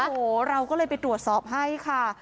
โอ้โหเราก็เลยไปตรวจสอบให้ค่ะ